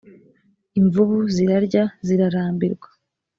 imvubu zirarya zirarambirwa